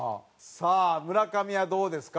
さあ村上はどうですか？